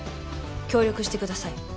協力してください。